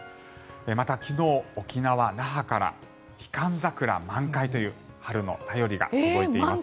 また、昨日、沖縄・那覇からヒカンザクラ満開という春の便りが届いています。